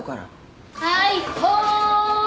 はいほい。